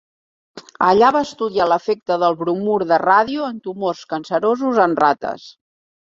Allà va estudiar l'efecte del bromur de ràdio en tumors cancerosos en rates.